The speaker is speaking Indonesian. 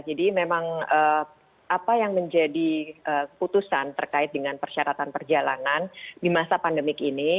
jadi memang apa yang menjadi keputusan terkait dengan persyaratan perjalanan di masa pandemik ini